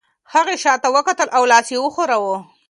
هغې شاته وکتل او لاس یې وخوځاوه.